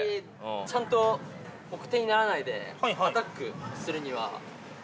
ちゃんと奥手にならないでアタックするには。